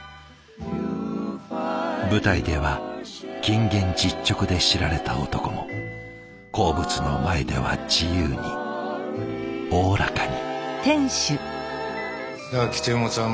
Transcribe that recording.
舞台では謹厳実直で知られた男も好物の前では自由におおらかに。